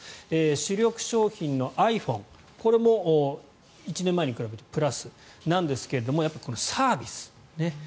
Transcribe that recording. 主力商品のｉＰｈｏｎｅこれも１年前に比べてプラスなんですがやっぱりこのサービス。